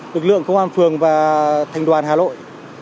lực lượng công an phường và thành đoàn hà nội